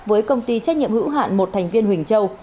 với công ty trách nhiệm hữu hạn một thành viên huỳnh châu